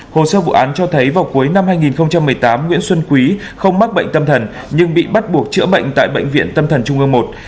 hồ sơ vụ án cho thấy vào cuối năm hai nghìn một mươi tám nguyễn xuân quý không mắc bệnh tâm thần nhưng bị bắt buộc chữa bệnh tại bệnh viện tâm thần trung ương i